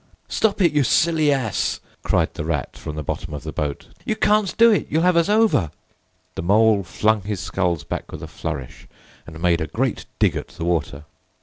"Stop it, you silly ass!" cried the Rat, from the bottom of the boat. "You can't do it! You'll have us over!" The Mole flung his sculls back with a flourish, and made a great dig at the water.